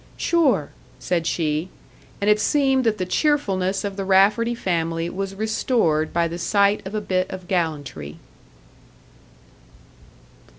"Sure," said she; and it seemed that the cheerfulness of the Rafferty family was restored by the sight of a bit of gallantry.